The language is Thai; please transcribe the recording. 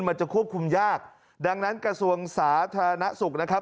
มันจะควบคุมยากดังนั้นกระทรวงสาธารณสุขนะครับ